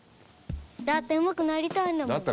だってうまくなりたいんだもん。